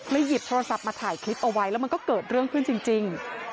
หยิบโทรศัพท์มาถ่ายคลิปเอาไว้แล้วมันก็เกิดเรื่องขึ้นจริง